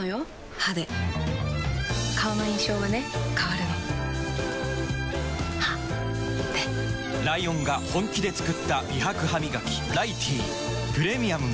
歯で顔の印象はね変わるの歯でライオンが本気で作った美白ハミガキ「ライティー」プレミアムも